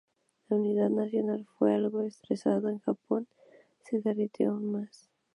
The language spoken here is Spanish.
La unidad nacional fue algo estresado con Japón se deterioró aún más.